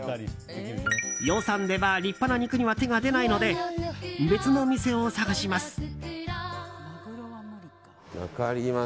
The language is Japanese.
予算では立派な肉には手が出ないので別の店を探します。